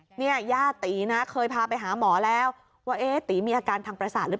เนี่ยญาติตีนะเคยพาไปหาหมอแล้วว่าเอ๊ะตีมีอาการทางประสาทหรือเปล่า